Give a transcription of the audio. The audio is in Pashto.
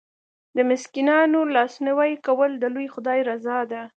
د مسکینانو لاسنیوی کول د لوی خدای رضا ده.